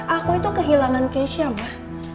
aku itu kehilangan keisha mbak